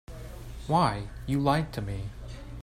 Why, you lied to me.